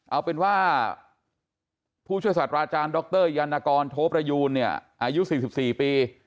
เอาเป็นว่าผู้ช่วยสวัสดิ์ราชาญดรยโทพระยูนอายุ๔๔ปี